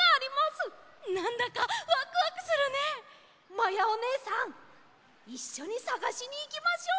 まやおねえさんいっしょにさがしにいきましょう！